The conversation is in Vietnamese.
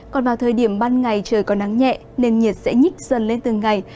còn vào thời điểm ban ngày trời có nắng nhẹ nền nhiệt sẽ nhích dần lên từng ngày